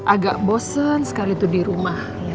agak bosen sekali itu di rumah